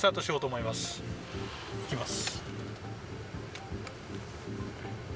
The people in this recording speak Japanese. いきます。